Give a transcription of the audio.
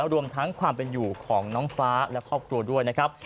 รวมทั้งความเป็นอยู่ของน้องฟ้าและครอบครัวด้วยนะครับ